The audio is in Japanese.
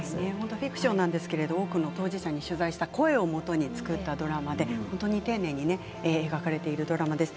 フィクションですけれども多くの当事者に取材してそれをもとに作った丁寧に描かれているドラマです。